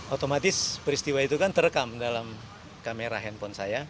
otomatis peristiwa itu kan terekam dalam kamera handphone saya